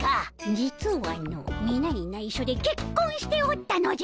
実はのみなにないしょでけっこんしておったのじゃ。